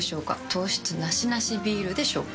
糖質ナシナシビールでしょうか？